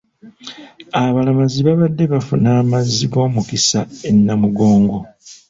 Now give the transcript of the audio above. Abalamazi babadde bafuna amazzi g’omukisa e Namugongo